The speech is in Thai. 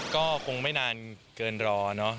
ก็คงไม่นานเกินรอเนอะ